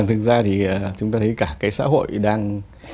thực ra thì chúng ta thấy cả cái xã hội đang